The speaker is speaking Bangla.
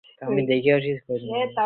পরিস্থিতি আরও খারাপের দিকে যাবে।